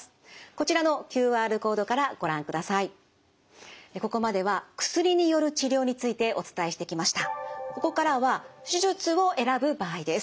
ここからは手術を選ぶ場合です。